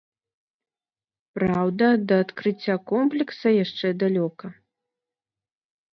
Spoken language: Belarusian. Праўда, да адкрыцця комплекса яшчэ далёка.